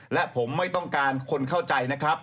และผมไม่ต้องการคนเข้าใจนะครับ